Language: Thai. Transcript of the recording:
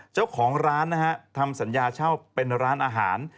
เจ้าของร้านนะฮะทำสัญญาเช่าเป็นร้านอาหาร